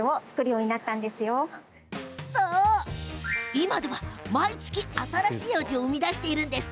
今では毎月、新しい味を生み出しているんです。